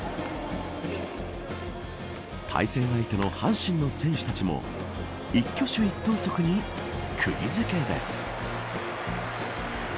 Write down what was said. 対戦相手の阪神の選手たちも一挙手一投足にくぎ付けです。